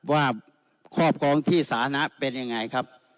ว่าขอบคลองที่สานะเป็นยังไงครับ